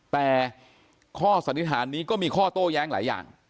แต่ข้อสันนิษฐานนี้ก็มีข้อโต้แย้งหลายอย่าง